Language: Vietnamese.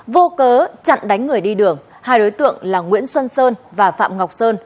vô cớ chặn đánh người đi đường hai đối tượng là nguyễn xuân sơn và phạm ngọc sơn